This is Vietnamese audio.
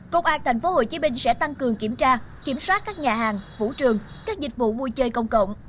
công an tp hcm sẽ tăng cường kiểm tra kiểm soát các nhà hàng vũ trường các dịch vụ vui chơi công cộng